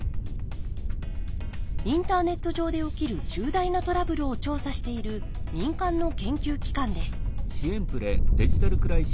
インターネット上で起きる重大なトラブルを調査している民間の研究機関です。